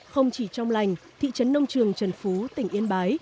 không chỉ trong lành thị trấn nông trường trần phú tỉnh yên bái